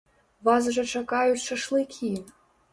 Вас жа чакаюць шашлыкі!